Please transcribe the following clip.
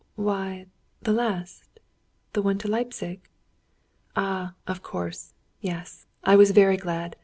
"Why, the last the one to Leipzig." "Ah, of course! Yes, I was very glad.